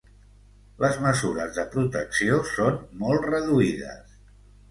Les mesures de protecció són molt reduïdes.